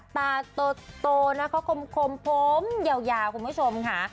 ตาโตนะเขาคมผมยาวคุณผู้ชมค่ะ